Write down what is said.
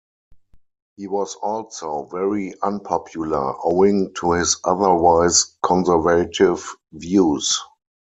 He was also very unpopular owing to his otherwise conservative views.